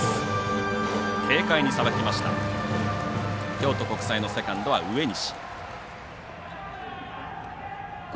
京都国際のセカンドは植西。